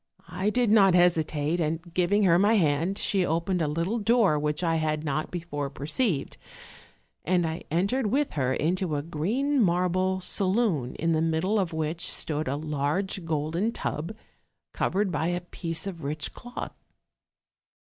I did not hesitate, and giving her my hand, she opened a little door which I had not before perceived, and I en tered with her into a green marble saloon, in the middle of which stood a large golden tub, covered by a piece of rich cloth.